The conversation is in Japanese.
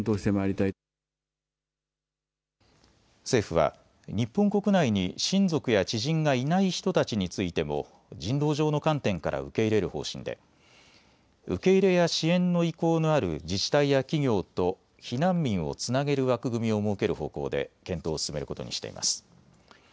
政府は日本国内に親族や知人がいない人たちについても人道上の観点から受け入れる方針で受け入れや支援の意向のある自治体や企業と避難民をつなげる枠組みを設ける方向で検討を進めることにしています。